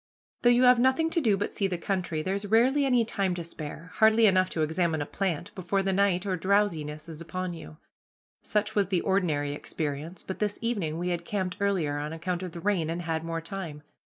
Though you have nothing to do but see the country, there's rarely any time to spare, hardly enough to examine a plant, before the night or drowsiness is upon you. Such was the ordinary experience, but this evening we had camped earlier on account of the rain, and had more time.